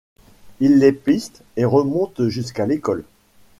Il les piste et remonte jusqu'à l'école.